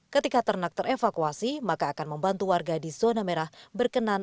ketika ternak terevakuasi maka akan membantu warga di zona merah berkenan